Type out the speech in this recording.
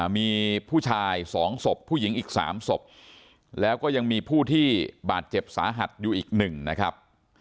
มีผู้ชาย๒ศพผู้หญิงอีก๓ศพแล้วก็ยังมีผู้ที่บาดเจ็บสาหัสอยู่อีก๑นะครับ